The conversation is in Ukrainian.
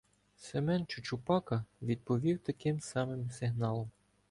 Семен Чучупака відповів таким самим сигналом.